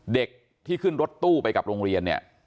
เด็กที่ขึ้นรถตู้ไปกับโรงเรียนเนี่ย